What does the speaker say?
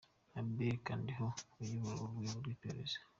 Abel Kandiho uyobora urwo rwego rw’iperereza.